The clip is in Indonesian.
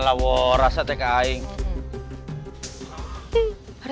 kalau tidak saya akan terburu buru